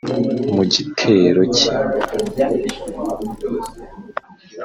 Mu gitero cye